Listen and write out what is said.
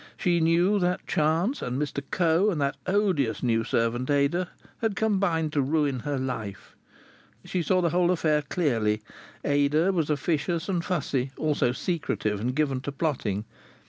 She knew that chance, and Mr Coe, and that odious new servant, Ada, had combined to ruin her life. She saw the whole affair clearly. Ada was officious and fussy, also secretive and given to plotting.